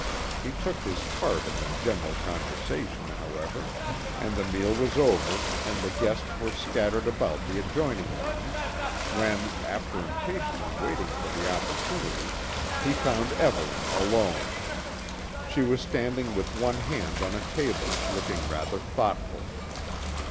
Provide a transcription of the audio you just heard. He took his part in the general conversation, however, and the meal was over and the guests were scattered about the adjoining rooms, when, after impatiently waiting for the opportunity, he found Evelyn alone. She was standing with one hand on a table, looking rather thoughtful.